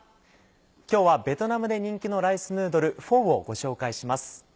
今日はベトナムで人気のライスヌードルフォーをご紹介します。